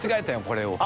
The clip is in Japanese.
これを。